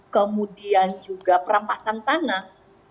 kemudian juga perampasan tanah